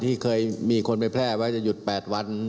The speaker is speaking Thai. ที่เคยมีคนไปแพร่ไว้จะหยุด๘วัน